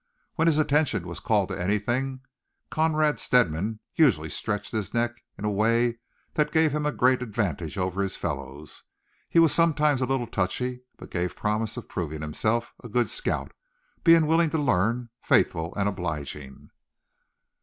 When his attention was called to anything, Conrad Stedman usually stretched his neck in a way that gave him a great advantage over his fellows. He was sometimes a little touchy; but gave promise of proving himself a good scout, being willing to learn, faithful, and obliging.